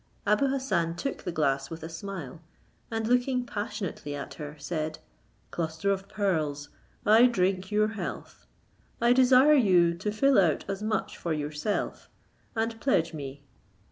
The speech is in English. Abou Hassan took the glass with a smile, and looking passionately at her, said, "Cluster of Pearls, I drink your health; I desire you to fill out as much for yourself, and pledge me."